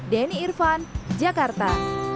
denny irvan jakarta